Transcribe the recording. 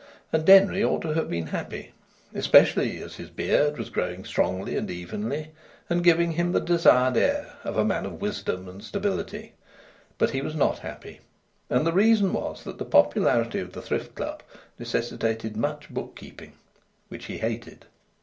And Denry ought to have been happy, especially as his beard was growing strongly and evenly, and giving him the desired air of a man of wisdom and stability. But he was not happy. And the reason was that the popularity of the Thrift Club necessitated much book keeping, which he hated.